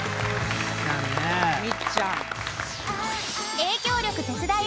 みっちゃん。